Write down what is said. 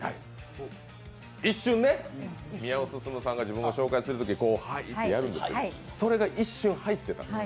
一瞬ね、宮尾すすむさんが自分を紹介するとき「はい！」ってやるでしょう、それが一瞬入っていたんです。